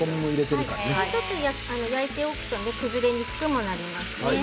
ちょっと焼いておくと崩れにくくもなりますね。